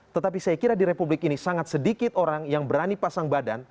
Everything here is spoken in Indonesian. tetapi saya kira di republik ini sangat sedikit orang yang berani pasang badan